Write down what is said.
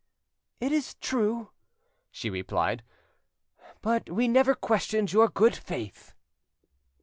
"It is true," she replied; "but we never questioned your good faith."